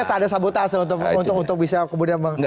ada sabotase untuk bisa kemudian